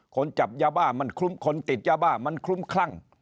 คนจับยาบ้ามันคลุ้มคนติดยาบ้ามันคลุ้มคลั่ง